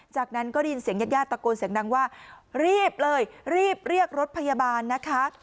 จากนั้นก็ได้ยินเสียงญาติญาติตะโกนเสียงดังว่ารีบเลยรีบเรียกรถพยาบาลนะคะ